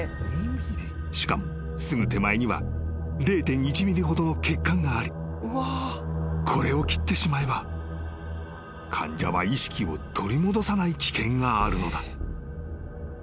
［しかもすぐ手前には０．１ｍｍほどの血管がありこれを切ってしまえば患者は意識を取り戻さない危険があるのだ］